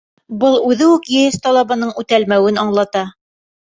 Был үҙе үк ЕС талабының үтәлмәүен аңлата.